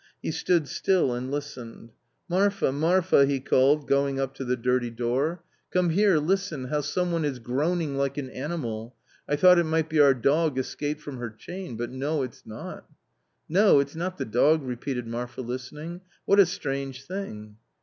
He stood still and listened. " Marfa, Marfa !" he called, going up to the dirty door, 126 A COMMON STORY "come here, listen, how some one is groaning like an animal. I thought it might be our dog escaped from her chain, but no, it's not." " No, it's not the dog !" repeated Marfa listening. "What a strange thing